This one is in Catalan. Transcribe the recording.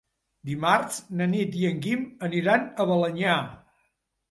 Dimarts na Nit i en Guim aniran a Balenyà.